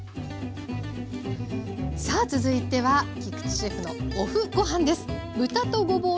さあ続いては菊地シェフのＯＦＦごはんです。